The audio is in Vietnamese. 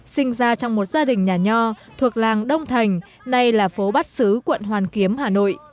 sinh ra trong một gia đình nhà nho thuộc làng đông thành nay là phố bát sứ quận hoàn kiếm hà nội